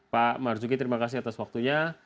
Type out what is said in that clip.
pak marzuki terima kasih atas waktunya